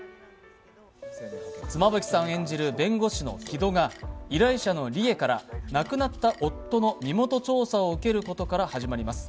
妻夫木さん演じる弁護士の城戸が、依頼者の里枝から亡くなった夫の身元調査を受けることから始まります。